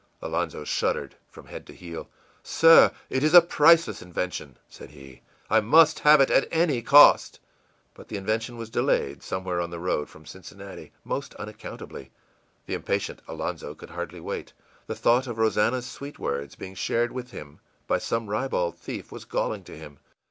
î Alonzo shuddered from head to heel. ìSir, it is a priceless invention,î said he; ìI must have it at any cost.î But the invention was delayed somewhere on the road from Cincinnati, most unaccountably. The impatient Alonzo could hardly wait. The thought of Rosannah's sweet words being shared with him by some ribald thief was galling to him.